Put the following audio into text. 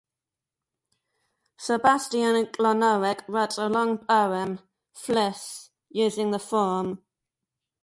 Sebastian Klonowic wrote a long poem, Flis, using the form.